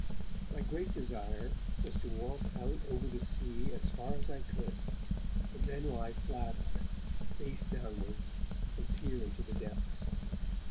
My great desire was to walk out over the sea as far as I could, and then lie flat on it, face downwards, and peer into the depths.